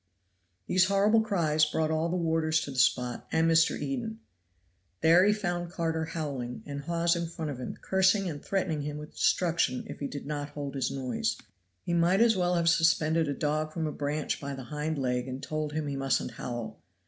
These horrible cries brought all the warders to the spot, and Mr. Eden. There he found Carter howling, and Hawes in front of him, cursing and threatening him with destruction if he did not hold his noise. He might as well have suspended a dog from a branch by the hind leg and told him he mustn't howl.